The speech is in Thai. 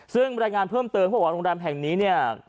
ซึ่งบรรยายงานเพิ่มเติมพวกพวกโรงแรมแห่งนี้